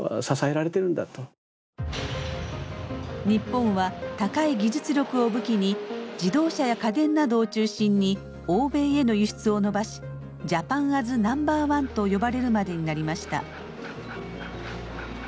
日本は高い技術力を武器に自動車や家電などを中心に欧米への輸出を伸ばし「ジャパンアズナンバーワン」と呼ばれるまでになりました。